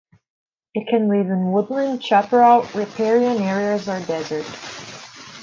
It can live in woodland, chaparral, riparian areas, or desert.